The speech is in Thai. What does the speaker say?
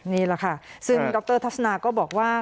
นี่แหละค่ะซึ่งดรทัศนาก็บอกว่า